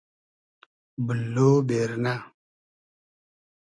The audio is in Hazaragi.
بوللۉ بېرنۂ